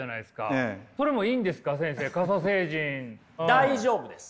大丈夫です。